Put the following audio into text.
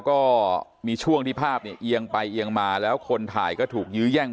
ก็มีช่วงที่ภาพเนี่ยเอียงไปเอียงมาแล้วคนถ่ายก็ถูกยื้อแย่ง